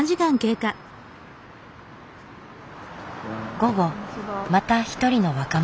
午後また一人の若者。